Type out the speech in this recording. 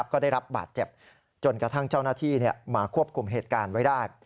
ก็ได้รับบาดเจ็บจนกระทั่งเจ้าหน้าที่มาควบคุมเหตุการณ์ไว้ได้